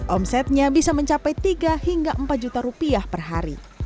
omsetnya bisa mencapai tiga hingga empat juta rupiah per hari